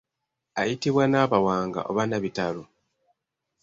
Ayitibwa Nabawanga oba Nabitalo.